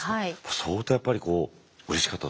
相当やっぱりこううれしかっただろうね。